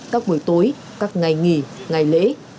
các buổi tối các ngày nghỉ ngày lễ